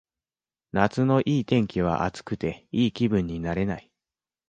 夏のいい天気は暑くていい気分になれない